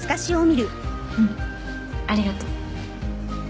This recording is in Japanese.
うんありがとう。